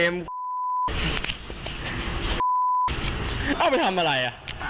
มันถ่าย